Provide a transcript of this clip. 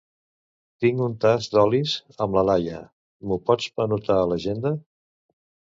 Tinc un tast d'olis amb la Laia; m'ho pots anotar a l'agenda?